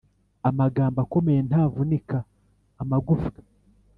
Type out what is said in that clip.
amagambo akomeye ntavunika amagufwa.